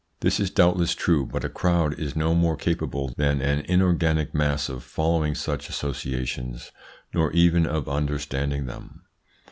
This is doubtless true, but a crowd is no more capable than an inorganic mass of following such associations, nor even of understanding them.